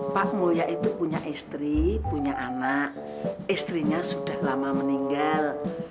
pak mulya itu punya istri punya anak istrinya sudah lama meninggal